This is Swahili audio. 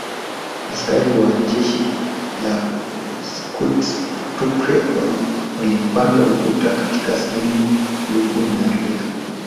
Askari wa jeshi la Schutztruppe walipanda ukuta katika sehemu uliyokuwa imeharibika